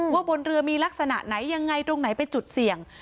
บนเรือมีลักษณะไหนยังไงตรงไหนเป็นจุดเสี่ยง